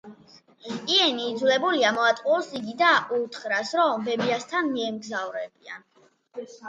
იენი იძულებულია, მოატყუოს იგი და უთხრას, რომ ბებიასთან მიემგზავრებიან.